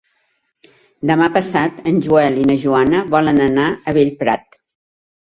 Demà passat en Joel i na Joana volen anar a Bellprat.